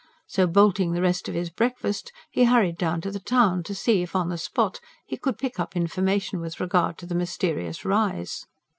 So bolting the rest of his breakfast, he hurried down to the town, to see if, on the spot, he could pick up information with regard to the mysterious rise.